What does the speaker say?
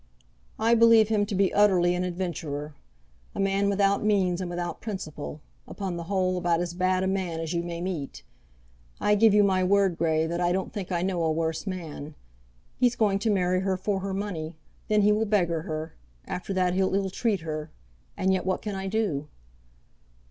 "I believe him to be utterly an adventurer, a man without means and without principle, upon the whole about as bad a man as you may meet. I give you my word, Grey, that I don't think I know a worse man. He's going to marry her for her money; then he will beggar her, after that he'll ill treat her, and yet what can I do?"